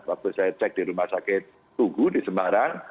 waktu saya cek di rumah sakit tugu di semarang